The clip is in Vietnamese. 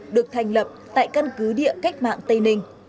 được thành lập tại căn cứ địa cách mạng tây ninh